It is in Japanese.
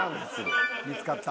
見つかった。